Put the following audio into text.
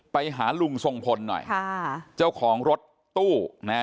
ไปหาลุงสงพลหน่อยเราของรถตู้